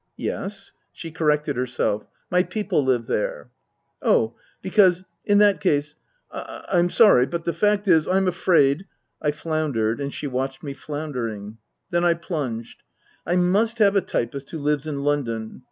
" Yes." She corrected herself. " My people live there." " Oh ! Because in that case I'm sorry but the fact is, I'm afraid " I floundered, and she watched me floundering. Then I plunged. " I must have a typist who lives in London."